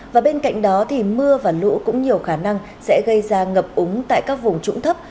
và bên cạnh đó thì mưa và lũ cũng nhiều khả năng sẽ gây ra ngập úng tại các vùng trũng thấp